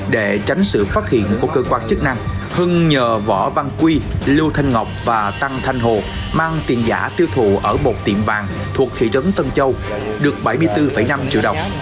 để tránh sự phát hiện của cơ quan chức năng hưng nhờ võ văn quy lưu thanh ngọc và tăng thanh hồ mang tiền giả tiêu thụ ở một tiệm vàng thuộc thị trấn tân châu được bảy mươi bốn năm triệu đồng